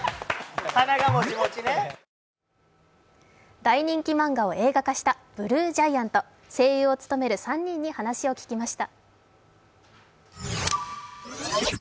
大人気漫画を映画化した「ＢＬＵＥＧＩＡＮＴ」声優を務める３人に話を聞きました